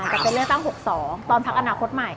จะเป็นเลือกตั้ง๖๒ตอนพักอนาคตใหม่